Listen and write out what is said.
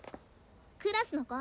クラスの子。